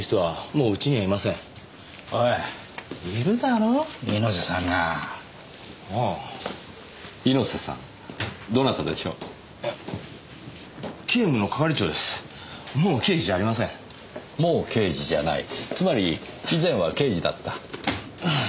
もう刑事じゃないつまり以前は刑事だった。